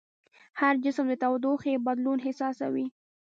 هر جسم د تودوخې بدلون احساسوي.